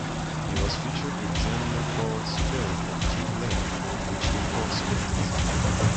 He was featured in Jean-Luc Godard's film of "King Lear", which he co-scripted.